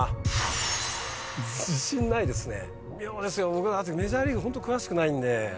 僕だってメジャーリーグホント詳しくないんで。